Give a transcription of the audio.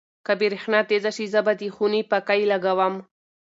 که برېښنا تېزه شي، زه به د خونې پکۍ لګوم.